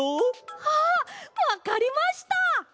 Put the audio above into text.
あっわかりました！